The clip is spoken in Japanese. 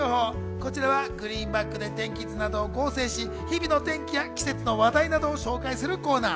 こちらはグリーンバックで天気図などを合成し、日々の天気や季節の話題などを紹介するコーナー。